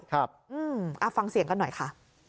ครับอืมอ่าฟังเสียงกันหน่อยค่ะ